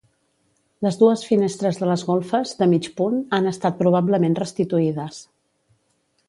Les dues finestres de les golfes, de mig punt, han estat probablement restituïdes.